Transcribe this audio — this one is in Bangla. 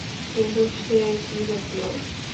কিন্তু সে কি দেখল?